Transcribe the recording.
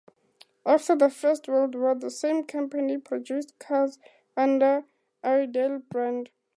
After the First World War, the same company produced cars under Airedale brand.